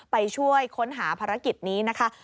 ไปช่วยค้นหาภารกิจนี้นะคะ